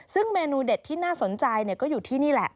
ซึ่งเมนูเด็ดที่น่าสนใจก็อยู่ที่นี่แหละ